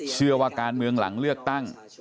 เชื่อว่าการเมืองหลังเลือกตั้ง